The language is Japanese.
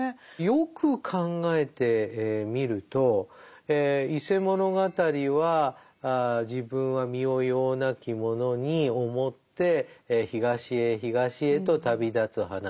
よく考えてみると「伊勢物語」は自分は身をようなき者に思って東へ東へと旅立つ話。